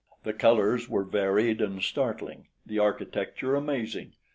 The colors were varied and startling, the architecture amazing.